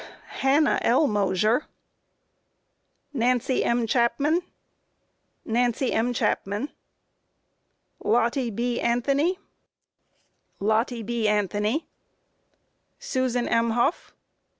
A. Hannah L. Mosher. Q. Nancy M. Chapman? A. Nancy M. Chapman. Q. Lottie B. Anthony? A. Lottie B. Anthony. Q. Susan M. Hough?